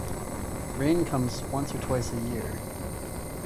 Rain comes once or twice a year.